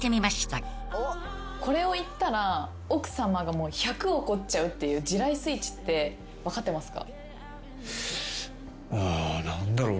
これを言ったら奥さまが１００怒っちゃうっていう地雷スイッチって分かってますか？